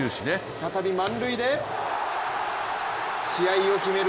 再び満塁で試合を決める